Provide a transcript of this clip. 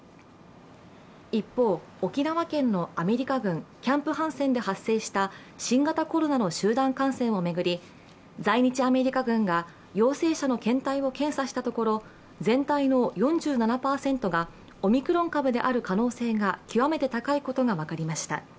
一方、沖縄県のアメリカ軍キャンプ・ハンセンで発生した新型コロナの集団感染を巡り在日アメリカ軍が陽性者の検体を検査したところ、全体の４７％がオミクロン株の可能性が極めて高いことが分かりました。